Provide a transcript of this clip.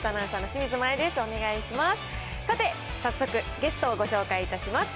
さて、早速ゲストをご紹介いたします。